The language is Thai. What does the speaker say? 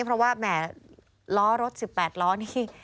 เพราะว่าแหมล้อรถ๑๘ล้อนี่